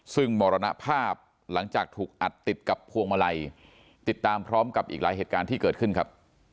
ซึ่งมรณภาพหลังจากถูกอัดติดกับพวงมาลัยติดตามพร้อมกับอีกหลายเหตุการณ์ที่เกิดขึ้นครับ